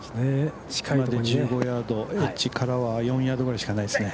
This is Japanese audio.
近いとこ１５ヤード、エッジからは４ヤードぐらいしかないですね。